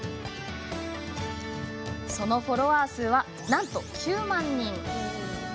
そのフォロワー数はなんと９万人。